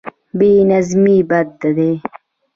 بې نظمي بد دی.